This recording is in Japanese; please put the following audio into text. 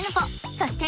そして！